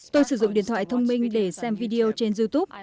tôi sử dụng điện thoại thông minh để xem video trên youtube